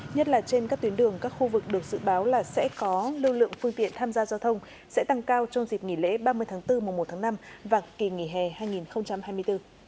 nhất là trên các tuyến đường các khu vực được dự báo là sẽ có lưu lượng phương tiện tham gia giao thông sẽ tăng cao trong dịp nghỉ lễ ba mươi tháng bốn mùa một tháng năm và kỳ nghỉ hè hai nghìn hai mươi bốn